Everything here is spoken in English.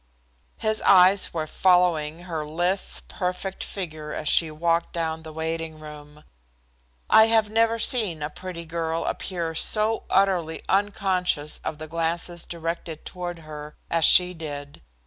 His eyes were following her lithe, perfect figure as she walked down the waiting room. I have never seen a pretty girl appear so utterly unconscious of the glances directed toward her as she did.